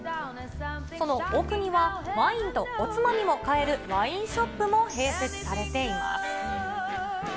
その奥には、ワインとおつまみも買えるワインショップも併設されています。